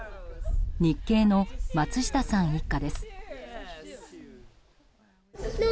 日系の松下さん一家です。